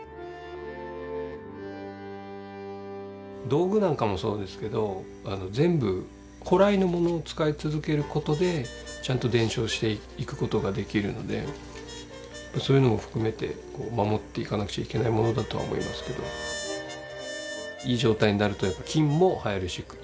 道具なんかもそうですけど全部古来のものを使い続ける事でちゃんと伝承していく事ができるのでそういうのを含めて守っていかなくちゃいけないものだとは思いますけどいい状態になるとやっぱ金も映えるしいい黒にも見える。